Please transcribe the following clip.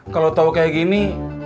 kalau tau kayak gini